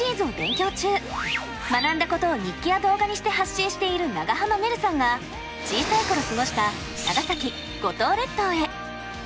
学んだことを日記や動画にして発信している長濱ねるさんが小さい頃過ごした長崎・五島列島へ。